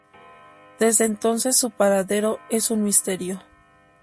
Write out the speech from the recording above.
Desde entonces su paradero es un misterio.